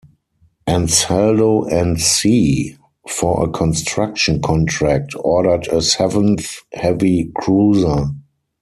Ansaldo and C. for a construction contract, ordered a seventh heavy cruiser.